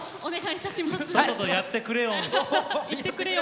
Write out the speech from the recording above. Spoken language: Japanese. とっととやってくレオン。